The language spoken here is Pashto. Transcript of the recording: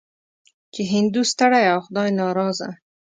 چې هندو ستړی او خدای ناراضه.